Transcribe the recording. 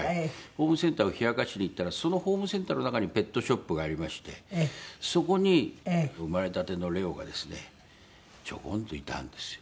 ホームセンターを冷やかしに行ったらそのホームセンターの中にペットショップがありましてそこに生まれたてのレオがですねちょこんといたんですよ。